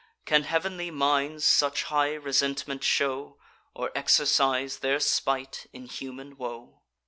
Can heav'nly minds such high resentment show, Or exercise their spite in human woe?